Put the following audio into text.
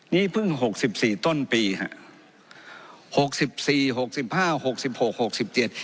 นี่เพิ่งหกสิบสี่ต้นปีฮะหกสิบสี่หกสิบห้าหกสิบหกหกสิบเจ็ด